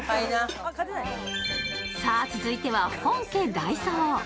さあ、続いては本家ダイソー。